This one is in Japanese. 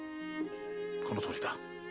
このとおりだ。